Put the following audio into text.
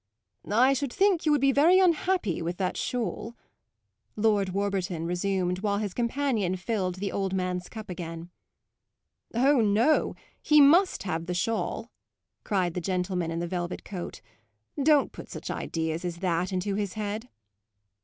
"I should think you would be very unhappy with that shawl," Lord Warburton resumed while his companion filled the old man's cup again. "Oh no, he must have the shawl!" cried the gentleman in the velvet coat. "Don't put such ideas as that into his head."